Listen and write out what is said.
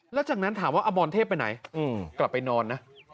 แล้วจากนั้นถามว่าอมรเทพไปไหนกลับไปนอนนะ